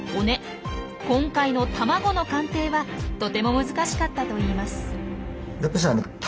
今回の卵の鑑定はとても難しかったといいます。